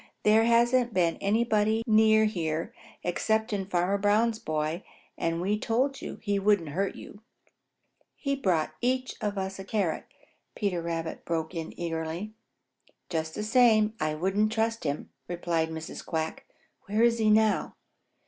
"There hasn't been anybody near here excepting Farmer Brown's boy, and we told you he wouldn't hurt you." "He brought us each a carrot," Peter Rabbit broke in eagerly. "Just the same, I wouldn't trust him," replied Mrs. Quack. "Where is he now?"